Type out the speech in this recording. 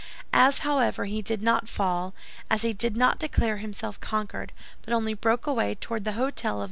As, however, he did not fall, as he did not declare himself conquered, but only broke away toward the hôtel of M.